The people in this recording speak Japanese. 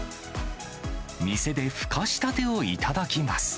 店でふかしたてを頂きます。